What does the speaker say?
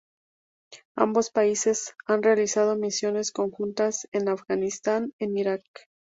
Ambos países han realizado misiones conjuntas en Afganistán e Irak.